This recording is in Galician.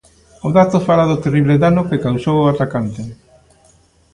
O dato fala do terrible dano que causou o atacante.